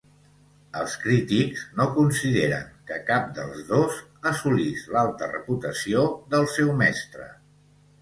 Els crítics no consideren que cap dels dos assolís l'alta reputació del seu mestre.